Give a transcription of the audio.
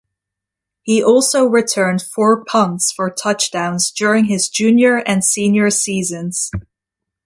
He also returned four punts for touchdowns during his junior and senior seasons.